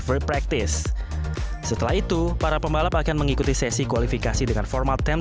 free practice setelah itu para pembalap akan mengikuti sesi kualifikasi dengan format sepuluh